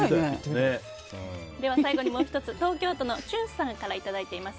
最後にもう１つ東京都の方からいただいています。